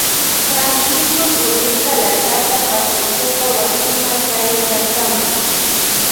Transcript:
Francisco purirka larkata Patriciopa wasima chayankakama.